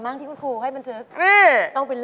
มากที่กุณครูให้มันเจอ